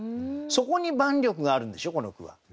そこに万緑があるんでしょこの句は。